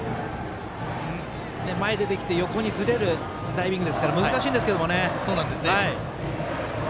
前に出てきて横にずれるタイミングですから難しいんですけどね。